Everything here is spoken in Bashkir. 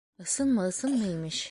- «Ысынмы?», «Ысынмы?», имеш...